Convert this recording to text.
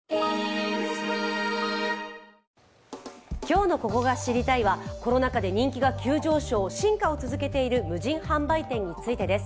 今日の「ここが知りたい！」はコロナ禍で人気が急上昇、進化を続けている無人販売店についてです。